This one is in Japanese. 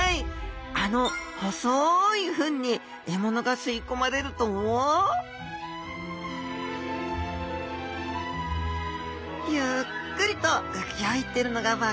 あの細い吻に獲物が吸い込まれるとゆっくりとうギョいてるのが分かりますか？